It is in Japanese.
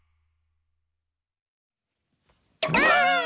ばあっ！